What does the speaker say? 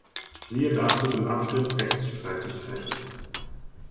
Siehe dazu den Abschnitt Rechtsstreitigkeiten.